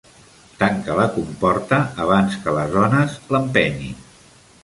Tanca la comporta abans que les ones l'empenyin.